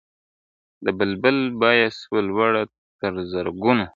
د بلبل بیه سوه لوړه تر زرګونو ..